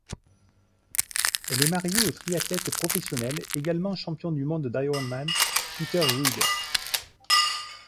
Elle est mariée au triathlète professionnel, également champion du monde d'Ironman Peter Reid.